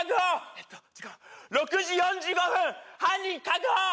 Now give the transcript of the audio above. えーと時間６時４５分犯人確保！